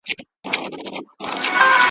خو ددې شعر په هکله مهمه یادونه دا ده ,